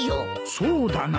そうだな。